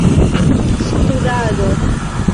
studado